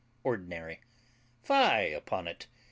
ORDINARY. Fie upon it!